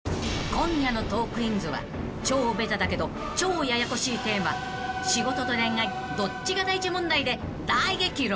［今夜の『トークィーンズ』は超ベタだけど超ややこしいテーマ仕事と恋愛どっちが大事問題で大激論］